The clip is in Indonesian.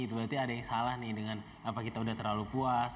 berarti ada yang salah nih dengan apa kita udah terlalu puas